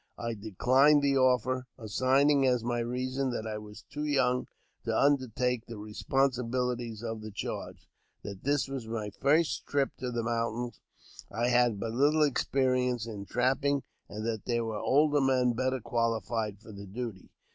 I declined the offer, assigning as my reason that I was too young to undertake the responsibilities of the charge ; that this was my first trip to the mountains, and I had but little ex perience in trapping, and that there were older men better qualified for the duty.